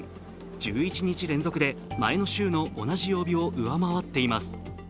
１１日連続で前の週の同じ曜日を上回っています。